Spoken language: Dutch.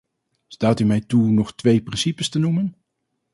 Staat u mij toe nog twee principes te noemen.